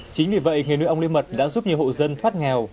chính vì vậy nghề nuôi ong lấy mật đã giúp nhiều hộ dân phát nghèo